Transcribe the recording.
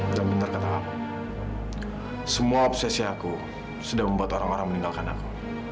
dan benar kata apa semua obsesi aku sudah membuat orang orang meninggalkan aku